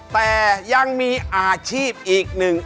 แต่ยังมีอาชีพอีกหนึ่ง